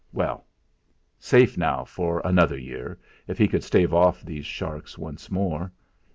Well! Safe now for another year if he could stave off these sharks once more.